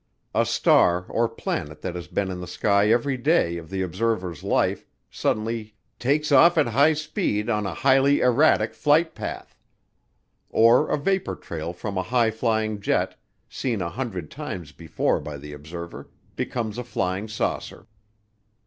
A star or planet that has been in the sky every day of the observer's life suddenly "takes off at high speed on a highly erratic flight path." Or a vapor trail from a high flying jet seen a hundred times before by the observer becomes a flying saucer.